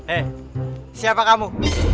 eh siapa kamu